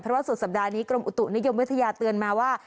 เพราะว่าสุดสัปดาห์นี้กรมอุตุนิยมวิทยาเตือนมาว่า